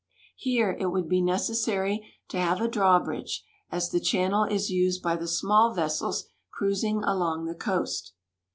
Here it would be necessary to have a drawbridge, as the channel is used by the small vessels cruising along the coast.